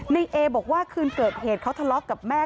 ในเอบอกว่าคืนเกิดเหตุเขาทะเลาะกับแม่